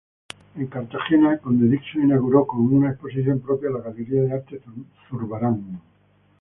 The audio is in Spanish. En Cartagena Conde Dixon inauguró, con una exposición propia, la Galería de arte Zurbarán.